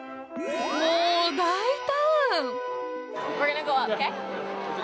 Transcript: もう、大胆！